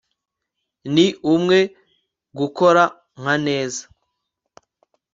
ni umwe gukora nka neza